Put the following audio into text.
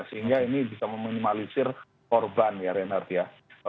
sehingga ini bisa meminimalisir korban ya reinhardt ya